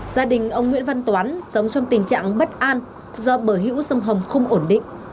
gia đình ông nguyễn văn toán sống trong tình trạng bất an do bờ hữu sông hồng không ổn định